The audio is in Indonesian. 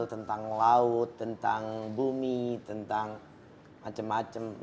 tentang laut tentang bumi tentang macem macem